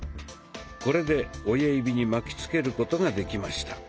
これで親指に巻きつけることができました。